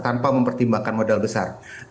tanpa mempertimbangkan modal besar